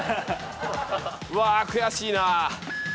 うわ悔しいな。